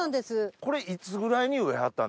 これいつぐらいに植えはったんですか？